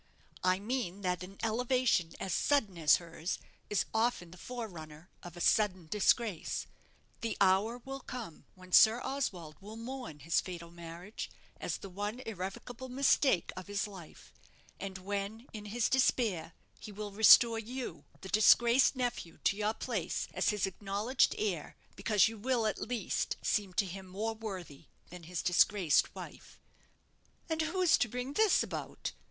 I mean that an elevation as sudden as hers is often the forerunner of a sudden disgrace. The hour will come when Sir Oswald will mourn his fatal marriage as the one irrevocable mistake of his life; and when, in his despair, he will restore you, the disgraced nephew, to your place, as his acknowledged heir; because you will at least seem to him more worthy than his disgraced wife." "And who is to bring this about?"